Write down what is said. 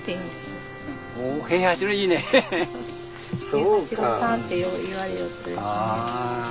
平八郎さんってよう言われよったですね。